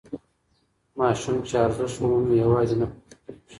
ماسوم چې ارزښت ومومي یوازې نه پاتې کېږي.